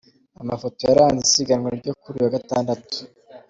Amafoto yaranze isiganwa ryo kuri uyu wa Gatandatu.